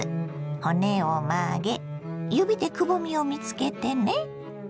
骨を曲げ指でくぼみを見つけてね。